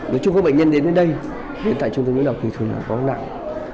nói chung các bệnh nhân đến đến đây hiện tại trung tâm ngộ độc thì thường là có nặng